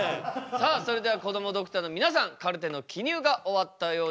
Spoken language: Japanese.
さあそれではこどもドクターの皆さんカルテの記入が終わったようです。